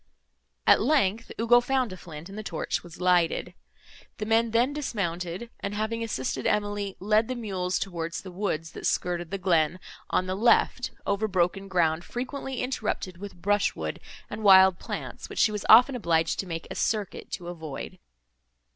At length, Ugo found a flint, and the torch was lighted. The men then dismounted, and, having assisted Emily, led the mules towards the woods, that skirted the glen, on the left, over broken ground, frequently interrupted with brush wood and wild plants, which she was often obliged to make a circuit to avoid.